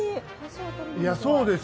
いや、そうですよ。